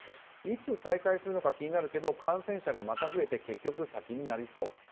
いつ再開するのか気になるけど感染者がまた増えて結局先になりそう。